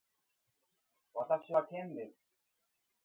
私はケンです。